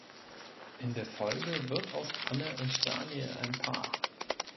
In der Folge wird aus Anne und Daniel ein Paar.